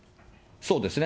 そうですね。